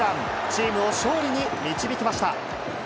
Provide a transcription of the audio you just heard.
チームを勝利に導きました。